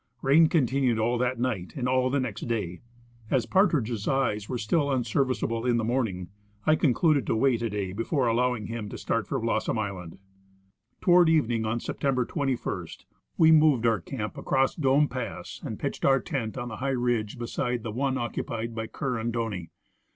Rain continued all that night and all the next day. As Partridge's eyes were still unserviceable in the morning, I con cluded to wait a day before alloAving him to start for Blossom island. Toward evening on September 21 we moved our camp across 160 I. C. Russell — Expedition to Mount St. Ellas. Dome 23ass, and pitched our tent on the high ridge beside the one occupied by Kerr and Doney.